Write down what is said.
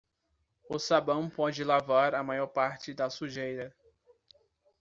O sabão pode lavar a maior parte da sujeira.